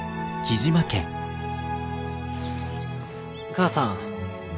母さん。